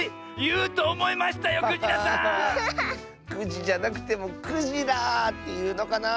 ９じじゃなくても「９じら」っていうのかな？